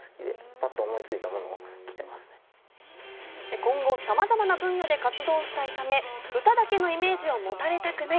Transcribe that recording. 今後、さまざまな分野で活動したいため歌だけのイメージは持たれたくない。